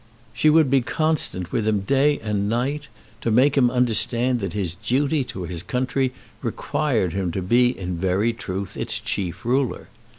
She would be constant with him day and night to make him understand that his duty to his country required him to be in very truth its chief ruler.